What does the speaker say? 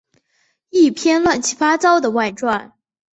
一篇乱七八糟的外传